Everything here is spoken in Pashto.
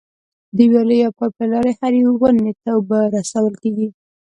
د ویالې یا پایپ له لارې هرې ونې ته اوبه رسول کېږي.